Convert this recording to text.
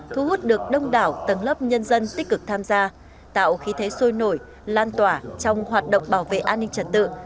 thu hút được đông đảo tầng lớp nhân dân tích cực tham gia tạo khí thế sôi nổi lan tỏa trong hoạt động bảo vệ an ninh trật tự